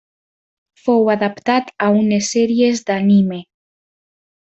Fou adaptat a unes sèries d'anime.